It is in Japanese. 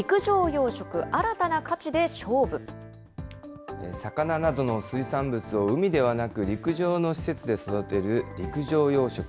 けさは、魚などの水産物を海ではなく、陸上の施設で育てる陸上養殖。